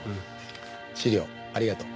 資料ありがとう。